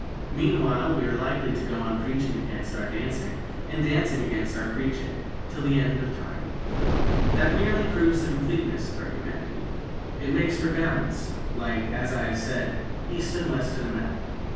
Meanwhile, we are likely to go on preaching against our dancing, and dancing against our preaching, till the end of time. That merely proves the completeness of our humanity. It makes for balance, like, as I have said, east and west in a map.